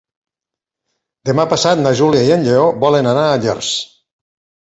Demà passat na Júlia i en Lleó volen anar a Llers.